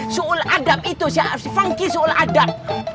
su'un adab itu si funky su'un adab